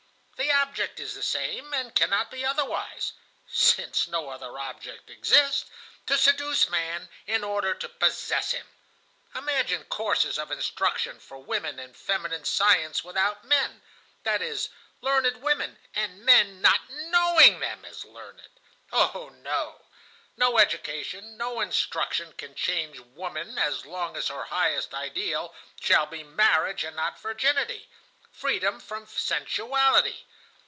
The object is the same, and cannot be otherwise (since no other object exists),—to seduce man in order to possess him. Imagine courses of instruction for women and feminine science without men,—that is, learned women, and men not knowing them as learned. Oh, no! No education, no instruction can change woman as long as her highest ideal shall be marriage and not virginity, freedom from sensuality.